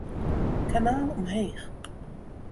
Kanaal omheech.